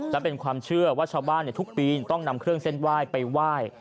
และเป็นความเชื่อว่าชาวบ้านทุกปีต้องนำเครื่องเส้นไหว้ไปไหว้